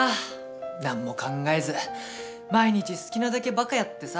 なんも考えず毎日すきなだけバカやってさ。